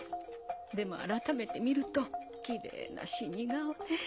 でもあらためて見るときれいな死に顔ね。